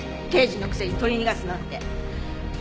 刑事のくせに取り逃がすなんて。